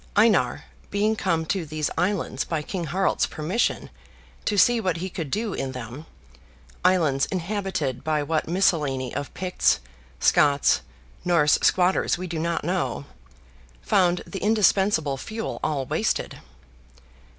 Einar, being come to these islands by King Harald's permission, to see what he could do in them, islands inhabited by what miscellany of Picts, Scots, Norse squatters we do not know, found the indispensable fuel all wasted.